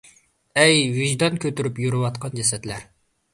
ئەي ۋىجدان كۆتۈرۈپ يۈرۈۋاتقان جەسەتلەر!!!